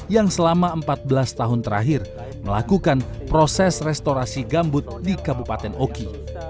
yang selama empat belas tahun terakhir melakukan proses restorasi gambut di kabupaten oki